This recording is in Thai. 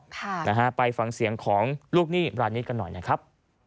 ค่ะนะฮะไปฟังเสียงของลูกหนี้ร้านนี้กันหน่อยนะครับ